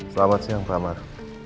selamat siang pak amar